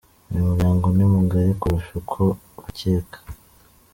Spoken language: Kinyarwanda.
Uyu muryango ni mugali kurusha uko ubikeka.